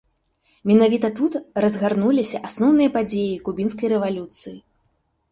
Менавіта тут разгарнуліся асноўныя падзеі кубінскай рэвалюцыі.